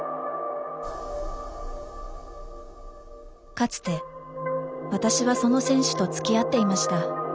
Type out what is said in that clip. かつて私はその選手とつきあっていました。